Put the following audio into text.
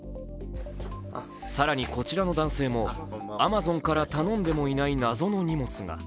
更にこちらの男性もアマゾンから頼んでもいない謎の荷物が。